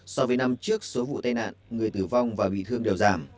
so với năm trước số vụ tai nạn người tử vong và bị thương đều giảm